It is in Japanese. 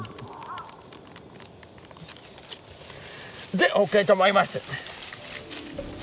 でＯＫと思います。